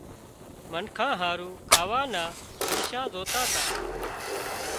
منکان هارُو کاوا نا پئيشا زوتا تا